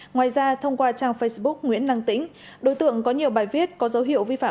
ngoài ra thông qua trang facebook nguyễn năng tĩnh đối tượng có nhiều bài viết có dấu hiệu vi phạm